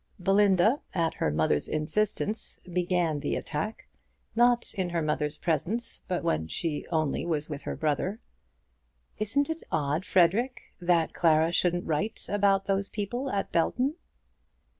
Belinda, at her mother's instance, began the attack, not in her mother's presence, but when she only was with her brother. "Isn't it odd, Frederic, that Clara shouldn't write about those people at Belton?"